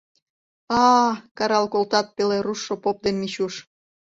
— А-а, — карал колтат пеле руштшо поп ден Мичуш.